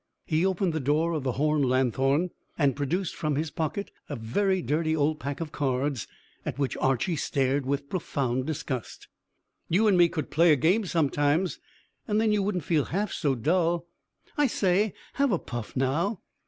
He opened the door of the horn lanthorn, and produced from his pocket a very dirty old pack of cards, at which Archy stared with profound disgust. "You and me could play a game sometimes, and then you wouldn't feel half so dull. I say, have a puff now!"